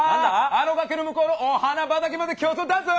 あの崖の向こうのお花畑まで競争だぞ！